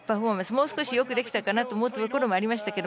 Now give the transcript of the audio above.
もう少しよくできたかなと思うところもありましたけど